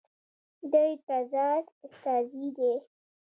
دی د تزار استازی دی.